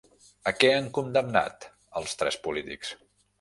A què han condemnat als tres polítics?